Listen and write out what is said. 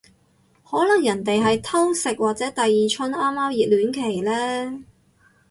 可能人哋係偷食或者第二春啱啱熱戀期呢